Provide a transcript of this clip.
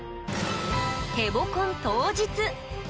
ヘボコン当日。